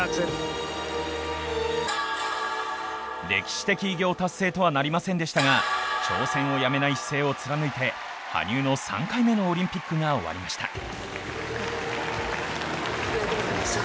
歴史的偉業達成とはなりませんでしたが挑戦をやめない姿勢を貫いて羽生の３回目のオリンピックが終わりました。